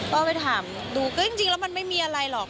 ก็ไปถามดูก็จริงแล้วมันไม่มีอะไรหรอก